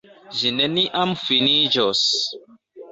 Ĝi neniam finiĝos!